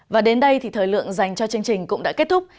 và đến đây thì thời lượng dành cho chương trình cũng đã kết thúc